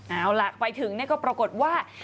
เอาล่ะไปถึงก็ปรากฏว่า